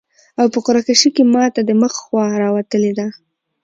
او په قرعه کشي کي ماته د مخ خوا راوتلي ده